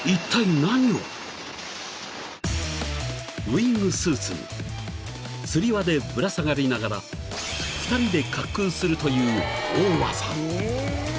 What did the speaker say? ［ウイングスーツにつり輪でぶら下がりながら２人で滑空するという大技］